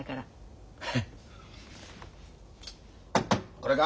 これか？